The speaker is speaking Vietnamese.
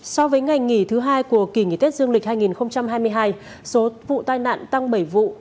so với ngày nghỉ thứ hai của kỳ nghỉ tết dương lịch hai nghìn hai mươi hai số vụ tai nạn tăng bảy vụ